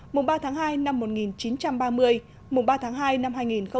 mùng ba tháng hai năm một nghìn chín trăm ba mươi mùng ba tháng hai năm hai nghìn hai mươi